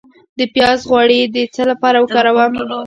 د پیاز غوړي د څه لپاره وکاروم؟